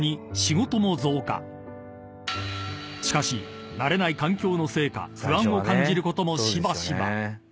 ［しかし慣れない環境のせいか不安を感じることもしばしば］